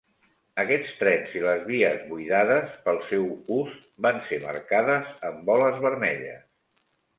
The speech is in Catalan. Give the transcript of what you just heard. Aquests trens i les vies buidades pel seu us van ser marcades amb boles vermelles.